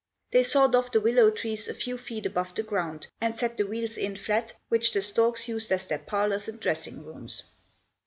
They sawed off the willow trees a few feet above the ground, and set the wheels in flat, which the storks used as their parlors and dressing rooms.